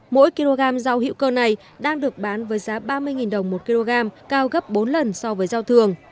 mỗi kg rau hữu cơ này đang được bán với giá ba mươi đồng một kg cao gấp bốn lần so với giao thường